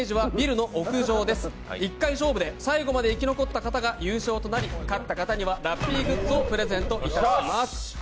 １回勝負で最後まで生き残った方が優勝となり勝った方にはラッピーグッズを差し上げます。